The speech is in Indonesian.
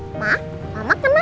mama aku masih habis ke sekolah